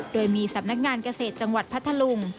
โดยมีสำนักงานเกษตรจังหวัดพัทธลุง